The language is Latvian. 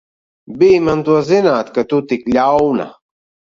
Bij man to zināt, ka tu tik ļauna!